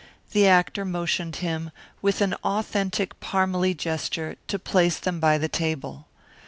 The actor motioned him, with an authentic Parmalee gesture, to place them by the table.